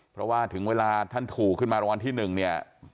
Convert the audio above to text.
เพราะว่าถึงเวลาท่านถูกจะมารวมที่๑เนี่ย